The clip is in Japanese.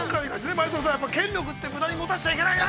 ◆前園さん、やっぱ権力って無駄に持たしちゃいけないな！